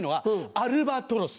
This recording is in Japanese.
アルバトロス？